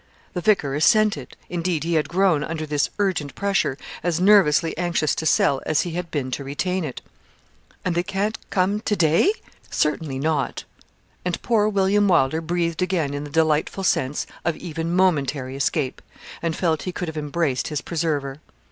The vicar assented; indeed, he had grown, under this urgent pressure, as nervously anxious to sell as he had been to retain it. 'And they can't come to day?' 'Certainly not.' And poor William Wylder breathed again in the delightful sense of even momentary escape, and felt he could have embraced his preserver.